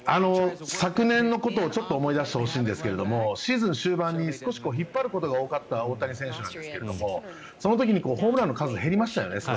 昨年のことをちょっと思い出してほしいんですがシーズン終盤に少し引っ張ることが多かった大谷選手なんですがその時にホームランの数が少し減りましたよね。